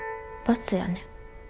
罰やねん。